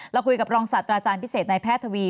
เราคุยกับรองศาสตราจารย์พิเศษในแพทย์ทวี